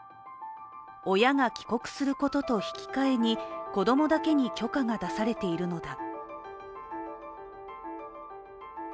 親が帰国することと引き換えに、子供だけに許可が出されているのだ。